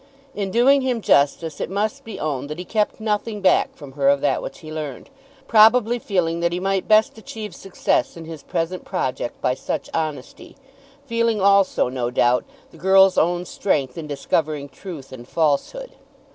In doing him justice it must be owned that he kept nothing back from her of that which he learned, probably feeling that he might best achieve success in his present project by such honesty, feeling also, no doubt, the girl's own strength in discovering truth and falsehood.